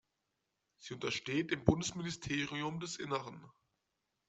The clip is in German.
Sie untersteht dem Bundesministerium des Innern.